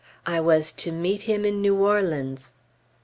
I was to meet him in New Orleans.